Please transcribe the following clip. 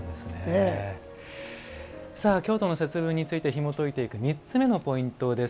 京都の節分についてひもといていく３つ目のポイント